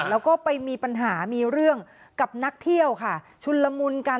แล้วก็ไปมีปัญหามีเรื่องกับนักเที่ยวค่ะชุนละมุนกัน